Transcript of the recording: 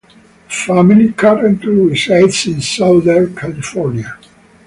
The family currently resides in Southern California.